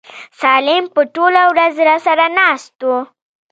سالم به ټوله ورځ راسره ناست و.